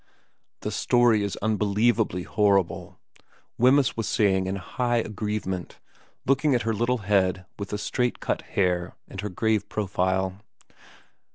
4 The story is unbelievably horrible,' Wemyss was " VERA 13 saying in a high aggrievement, looking at her little head with the straight cut hair, and her grave profile.